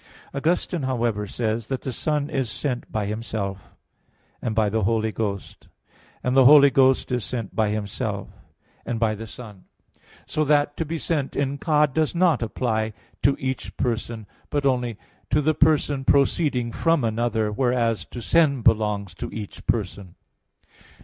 Augustine, however, says (De Trin. ii, 5) that the Son is sent by Himself, and by the Holy Ghost; and the Holy Ghost is sent by Himself, and by the Son; so that to be sent in God does not apply to each person, but only to the person proceeding from another, whereas to send belongs to each person.